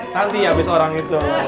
nanti abis orang itu